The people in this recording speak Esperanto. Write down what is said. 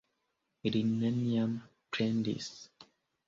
Li neniam plendis.